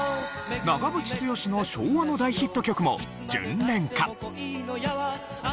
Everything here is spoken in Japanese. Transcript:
長渕剛の昭和の大ヒット曲も『巡恋歌』。